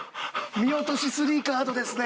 見落とし３カードですね。